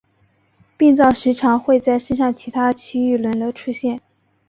病灶时常会在身上其他区域轮流出现。